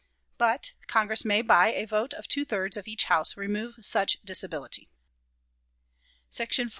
But Congress may by a vote of two thirds of each House remove such disability. "SECTION 4.